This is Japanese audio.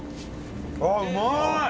ああうまい！